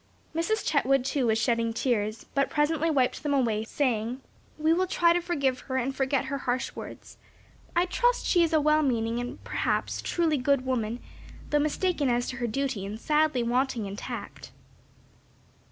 Mrs. Chetwood, too, was shedding tears; but presently wiped them away, saying, "We will try to forgive and forget her harsh words. I trust she is a well meaning, and perhaps, truly good woman; though mistaken as to her duty and sadly wanting in tact."